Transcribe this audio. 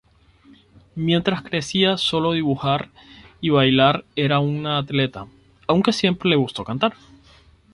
Mientras crecía solía dibujar, bailar y era una atleta, aunque siempre le gustó cantar.